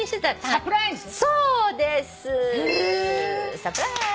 「サプライズ」です。